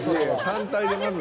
単体でまず。